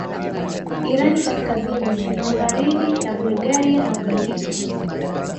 Irani kaskazini magharibi na Bulgaria na Ugiriki